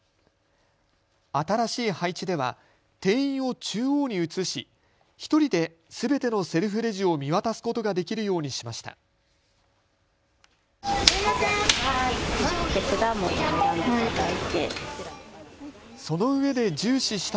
新しい配置では店員を中央に移し１人ですべてのセルフレジを見渡すことができるようにしました。